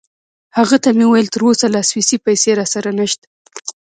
هغه ته مې وویل: تراوسه لا سویسی پیسې راسره نشته.